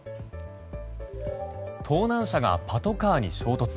盗難車がパトカーに衝突。